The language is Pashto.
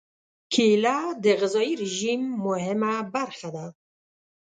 کېله د غذايي رژیم مهمه برخه ده.